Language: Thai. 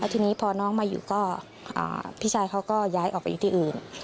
ทีนี้พอน้องมาอยู่ก็พี่ชายเขาก็ย้ายออกไปอยู่ที่อื่น